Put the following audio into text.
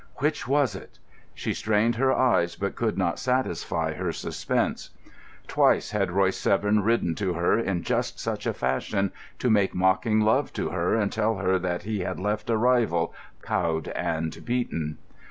Which was it? She strained her eyes, but could not satisfy her suspense. Twice had Royce Severn ridden to her in just such a fashion, to make mocking love to her and to tell her that he had left a rival cowed and beaten.